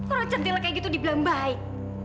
orang cantik lah kayak gitu dibilang baik